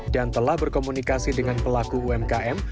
dan telah berkomunikasi dengan pelaku umkm